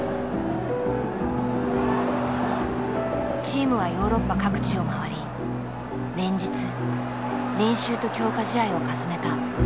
チームはヨーロッパ各地を回り連日練習と強化試合を重ねた。